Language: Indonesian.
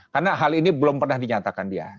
karena hal ini belum pernah dinyatakan dia